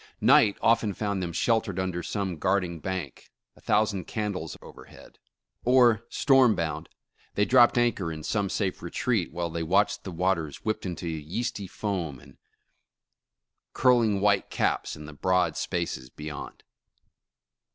Night often found them sheltered under some guard ing bank, a thousand candles overhead; or storm bound, they dropped anchor in some safe retreat, while they, watched the waters whipped into yeasty foam and curl ing white caps in the broad spaces beyond.